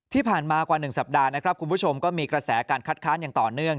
ที่ผ่านมากว่า๑สัปดาห์นะครับคุณผู้ชมก็มีกระแสการคัดค้านอย่างต่อเนื่อง